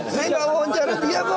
ini nggak mewawancara dia pak